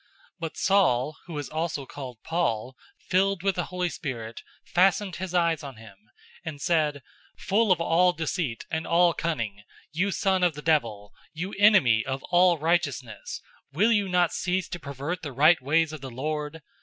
013:009 But Saul, who is also called Paul, filled with the Holy Spirit, fastened his eyes on him, 013:010 and said, "Full of all deceit and all cunning, you son of the devil, you enemy of all righteousness, will you not cease to pervert the right ways of the Lord?